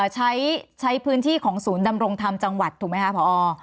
ใช้พื้นที่ของศูนย์ดำรงธรรมจังหวัดถูกไหมคะพอ